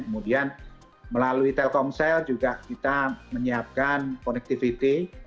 kemudian melalui telkomsel juga kita menyiapkan connectivity